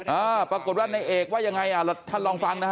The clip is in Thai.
อ่าปรากฏว่าในเอกว่ายังไงอ่ะท่านลองฟังนะฮะ